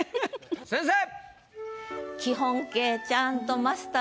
先生！